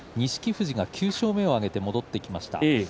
富士が９勝目を挙げて戻ってきました。